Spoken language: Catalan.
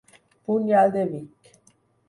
Punyal de Vic!